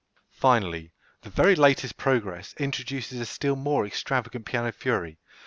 Finally, the very latest progress introduces a still more extravagant piano fury.